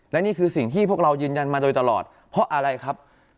และนี่คือสิ่งที่พวกเรายืนยันมาโดยตลอดเพราะอะไรครับ